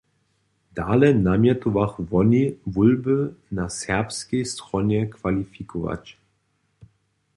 Dale namjetowachu woni, wólby na serbskej stronje kwalifikować.